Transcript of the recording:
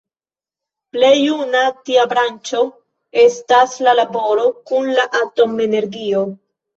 Plej juna tia branĉo estas la laboro kun la atom-energio.